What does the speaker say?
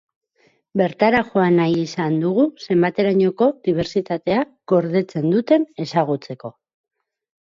Bertara joan nahi izan dugu zenbaterainoko dibersitatea gordetzen duten ezagutzeko.